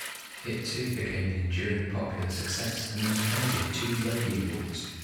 It too became an enduring popular success and earned Kennedy two Logie Awards.